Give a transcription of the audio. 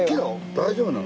大丈夫なの？